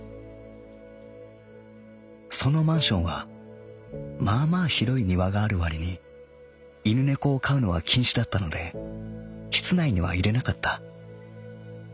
そのマンションはまあまあ広い庭があるわりに犬猫を飼うのは禁止だったので室内には入れなかった。